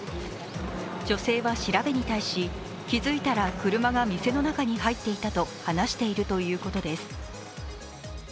女性は調べに対し、気づいたら車が店の中に入っていたと話しているということです。